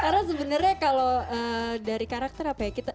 karena sebenernya kalau dari karakter apa ya